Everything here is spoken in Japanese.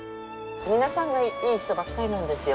皆さんがいい人ばっかりなんですよ。